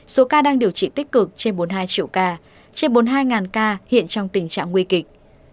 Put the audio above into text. số ca đang điều trị tích cực trên bốn mươi hai triệu ca trên bốn mươi hai ca hiện trong tình trạng nguy kịch